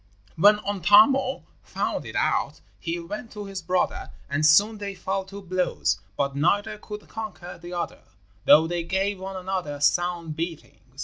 When Untamo found it out he went to his brother, and soon they fell to blows; but neither could conquer the other, though they gave one another sound beatings.